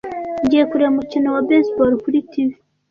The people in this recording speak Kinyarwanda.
Ngiye kureba umukino wa baseball kuri TV.